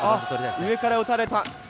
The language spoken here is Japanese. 上から打たれた。